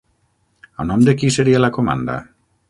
A nom de qui seria la comanda?